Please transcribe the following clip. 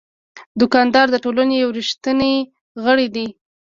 دوکاندار د ټولنې یو ریښتینی غړی دی.